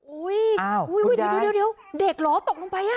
อุ้ยดูเด็กหลอตกลงไปอ่ะ